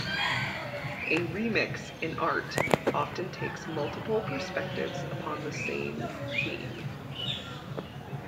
A remix in art often takes multiple perspectives upon the same theme.